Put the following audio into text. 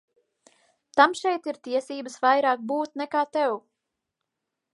Tam šeit ir tiesības vairāk būt nekā tev.